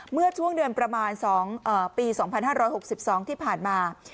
เมื่อช่วงเดือนประมาณ๒ปี๒๕๖๒ที่ผ่านมา